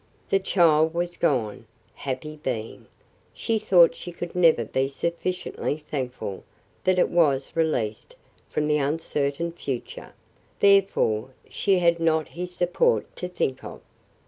The child was gone happy being! She thought she could never be sufficiently thankful that it was released from the uncertain future therefore she had not his support to think of.